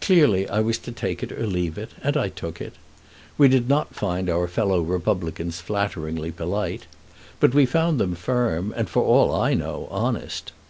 Clearly I was to take it or leave it, and I took it. We did not find our fellow republicans flatteringly polite, but we found them firm, and, for all I know, honest.